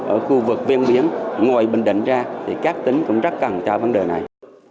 ở khu vực bên biển ngoài bình định ra thì các tính cũng rất cần cho vấn đề này